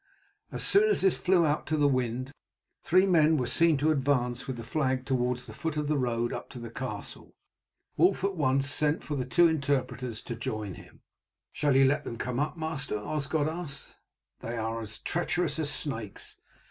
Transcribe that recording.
As soon as this flew out to the wind three men were seen to advance with the flag towards the foot of the road up to the castle. Wulf at once sent for the two interpreters to join him. "Shall you let them come up, master?" Osgod asked. "They are as treacherous as snakes.